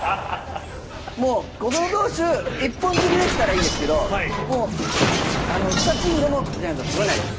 もう小園投手一本釣りでしたらいいですけど２チームでもいたら取れないです。